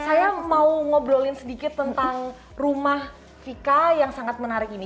saya mau ngobrolin sedikit tentang rumah vika yang sangat menarik ini